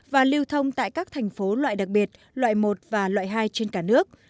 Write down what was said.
và lưu thông tại các thành phố loại đặc biệt loại một và loại hai trên cả nước